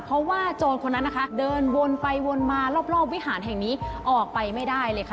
เพราะว่าโจรคนนั้นนะคะเดินวนไปวนมารอบวิหารแห่งนี้ออกไปไม่ได้เลยค่ะ